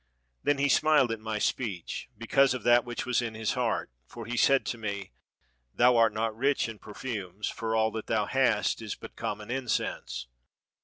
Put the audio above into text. "Then he smiled at my speech, because of that which was in his heart, for he said to me: 'Thou art not rich in perfumes, for all that thou hast is but common incense.